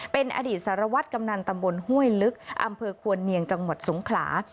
เป็นอดีตสารวัตรกำนันตำบลห้วยลึกอำเภอควรเนียงจังหวัดสงขลา